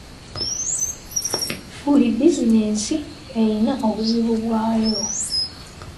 Buli bizinesi eyina obuzibu bwayo.